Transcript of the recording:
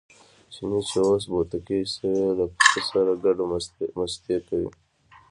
چیني چې اوس بوتکی شوی له پسه سره ګډه مستي کوي.